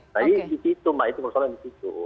jadi di situ mbak itu masalahnya di situ